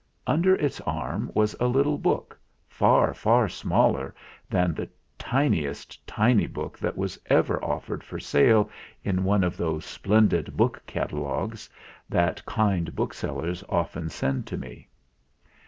Under its arm was a little book far, far smaller than the tiniest "tiny" book that was ever offered for sale in one of those splendid book catalogues that kind book sellers often send to me.